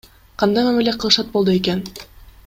Кандай мамиле кылышат болду экен?